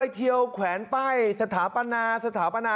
ไอ้เทียวแขวนไปสถาปนาสถาปนา